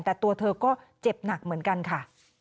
แต่ตัวเธอก็เจ็บหนักเหมือนกันค่ะ